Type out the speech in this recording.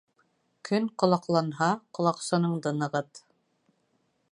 Көн ҡолаҡланһа, ҡолаҡсыныңды нығыт.